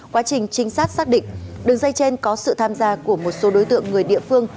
quá trình trinh sát xác định đường dây trên có sự tham gia của một số đối tượng người địa phương